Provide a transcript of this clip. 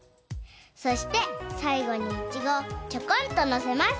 そしてさいごにイチゴをちょこんとのせます。